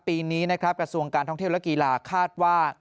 ปีนี้นะครับกระทรวงการท่องเที่ยวและกีฬาคาดว่า